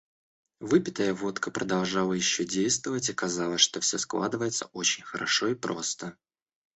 Выпитая водка продолжала еще действовать, и казалось, что все складывается очень хорошо и просто.